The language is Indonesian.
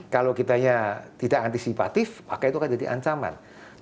kalau kitanya tidak antisipatif maka itu akan jadi ancaman